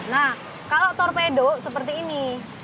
nah kalau torpedo seperti ini